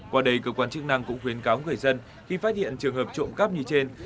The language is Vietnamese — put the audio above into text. qua đây cơ quan chức năng cũng khuyến cáo người dân khi phát hiện trường hợp trộm cắp như trên